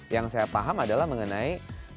yang saya paham adalah mengenai